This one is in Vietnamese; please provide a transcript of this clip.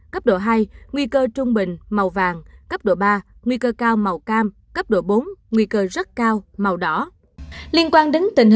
cấp độ hai nguy cơ trung bình màu vàng